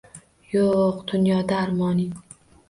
Yo’q dunyoda armoning.